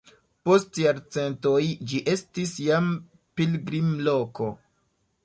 Post jarcentoj ĝi estis jam pilgrimloko.